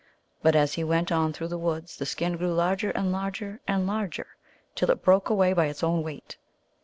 But as he went on through the woods the skin grew larger and larger and larger, till it broke away by its own weight.